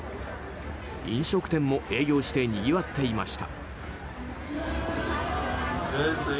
飲食店も営業してにぎわっていました。